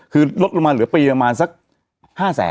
คือลดลงมาเหลือปีประมาณสัก๕แสน